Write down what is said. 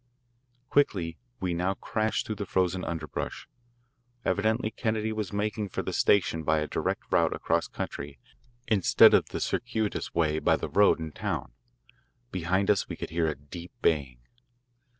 Quickly we now crashed through the frozen underbrush. Evidently Kennedy was making for the station by a direct route across country instead of the circuitous way by the road and town. Behind us we could hear a deep baying.